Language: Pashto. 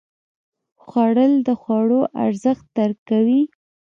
خوړل د خوړو ارزښت درک کوي